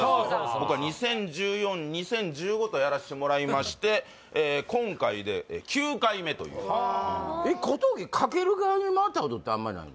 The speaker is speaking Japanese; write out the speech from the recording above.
僕は２０１４２０１５とやらしてもらいまして今回で９回目というえっ小峠かける側に回ったことってあんまりないの？